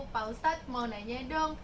pak ustadz mau nanya dong